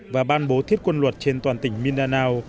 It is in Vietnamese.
và ban bố thiết quân luật trên toàn tỉnh mindanao